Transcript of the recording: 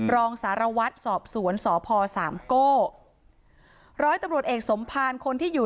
รองสารวัตรสอบสวนสพสามโก้ร้อยตำรวจเอกสมภารคนที่อยู่